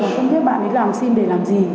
mà không biết bạn ấy làm sim để làm gì